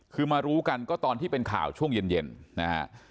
คือมารู้กันก็ตอนที่เป็นข่าวช่วงเย็นนะฮะ